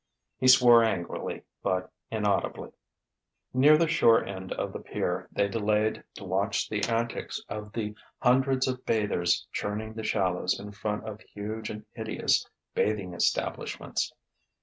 He swore angrily but inaudibly. Near the shore end of the pier they delayed to watch the antics of the hundreds of bathers churning the shallows in front of huge and hideous bathing establishments.